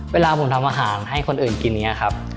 เวลาผมทำอาหารให้คนอื่นกินอย่างนี้ครับ